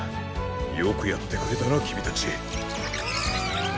よくやってくれたなきみたち。